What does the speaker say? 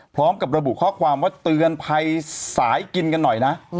พร้อมกับระบุข้อความว่าเตือนภัยสายกินกันหน่อยนะ